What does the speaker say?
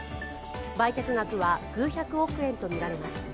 売却額は数百億円とみられます。